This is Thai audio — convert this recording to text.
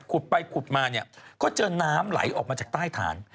ขุดไปขุดมาเนี่ยก็เจอน้ำไหลออกมาจากใต้ฐาน